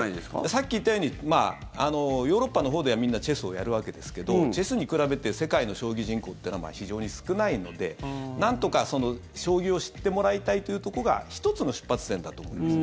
さっき言ったようにヨーロッパのほうではみんなチェスをやるわけですけどチェスに比べて世界の将棋人口っていうのは非常に少ないのでなんとか将棋を知ってもらいたいというとこが１つの出発点だと思います。